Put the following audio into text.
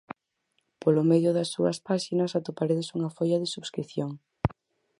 Polo medio das súas páxinas atoparedes unha folla de subscrición.